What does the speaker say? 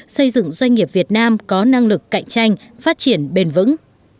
xây dựng doanh nghiệp việt nam có năng lực cạnh tranh phát triển bền vững